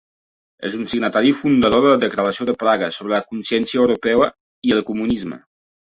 És un signatari fundador de la Declaració de Praga sobre la Consciència Europea i el Comunisme.